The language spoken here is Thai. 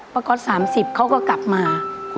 ก๊อต๓๐เขาก็กลับมา